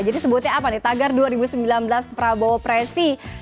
jadi sebutnya apa nih tagar dua ribu sembilan belas prabowo presi